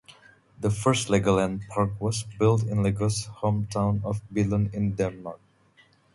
The first Legoland park was built in Lego's home town of Billund in Denmark.